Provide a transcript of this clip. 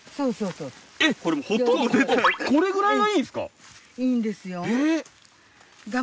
えっこれぐらいがいいんですか？